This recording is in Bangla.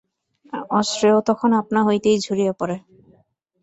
অশ্রেয় তখন আপনা হইতেই ঝরিয়া পড়ে।